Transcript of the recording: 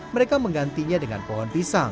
mereka menggantinya dengan pohon pisang